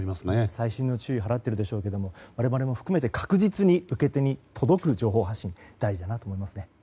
細心の注意を払っているでしょうけど我々も含めて確実に受け手に届く情報発信が大事だなと思います。